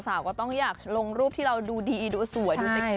สาวก็ต้องอยากลงรูปที่เราดูดีดูสวยดูเต็กที่บ้าง